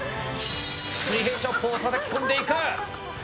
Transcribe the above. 水平チョップをたたき込んでいく。